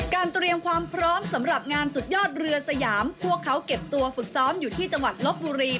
เตรียมความพร้อมสำหรับงานสุดยอดเรือสยามพวกเขาเก็บตัวฝึกซ้อมอยู่ที่จังหวัดลบบุรี